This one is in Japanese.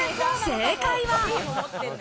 正解は。